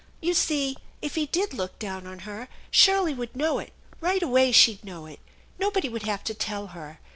"You see if he did look down on her, Shirley would know it; right away she'd know it. Nobody would have to tell her!